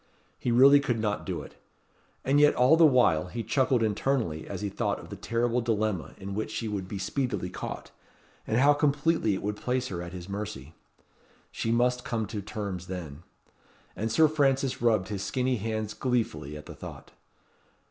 He really could not do it. And yet all the while he chuckled internally as he thought of the terrible dilemma in which she would be speedily caught, and how completely it would place her at his mercy. She must come to terms then. And Sir Francis rubbed his skinny hands gleefully at the thought.